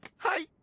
はい。